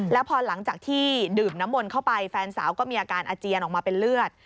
แล้วพอหลังจากที่ดื่มน้ำมนต์เข้าไปแฟนสาวก็มีอาการอาเจียนออกมาเป็นเลือด